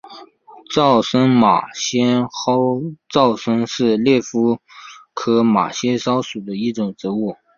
沼生马先蒿沼生是列当科马先蒿属的植物。